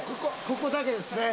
ここだけですね。